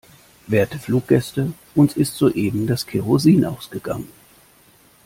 Werte Fluggäste, uns ist soeben das Kerosin ausgegangen.